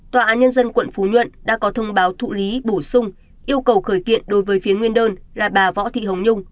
tòa án nhân dân quận phú nhuận đã có thông báo thụ lý bổ sung yêu cầu khởi kiện đối với phía nguyên đơn là bà võ thị hồng nhung